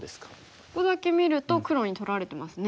ここだけ見ると黒に取られてますね